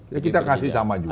ya kita kasih sama juga